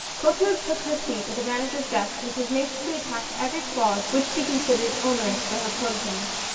Clotilde took her seat at the Manager's desk and pug naciously attacked every clause which she considered onerous for her protSgSe.